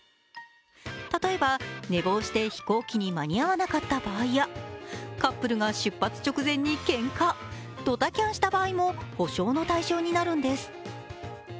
例えば、寝坊して飛行機に間に合わなかった場合や、カップルが出発直前にけんか、ドタキャンした場合も補償の対象になるんです。